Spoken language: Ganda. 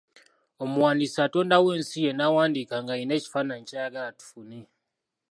Omuwandiisi atondawo ensi ye n'awandiika ng'alina ekifaanayi ky'ayagala tufune.